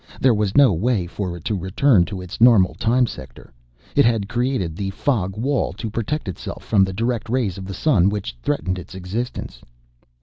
There was no way for it to return to its normal Time sector. It had created the fog wall to protect itself from the direct rays of the sun, which threatened its existence.